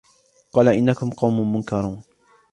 قال إنكم قوم منكرون